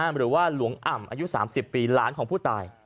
หรือว่าหลวงอ่ำอายุ๓๐ปีหลานของผู้ตาย